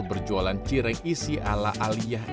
berjualan cireng isi ala aliyah